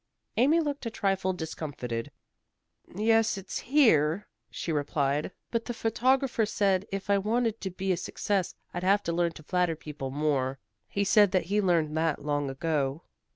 Amy looked a trifle discomfited. "Yes, it's here," she replied. "But the photographer said if I wanted to be a success I'd have to learn to flatter people more. He said that he learned that long ago."